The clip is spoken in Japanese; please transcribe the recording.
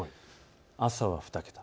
朝は２桁。